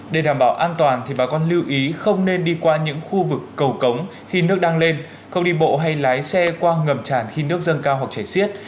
để đảm bảo an toàn thì bà con lưu ý không nên đi qua những khu vực cầu cống khi nước đang lên không đi bộ hay lái xe qua ngầm tràn khi nước dâng cao hoặc chảy xiết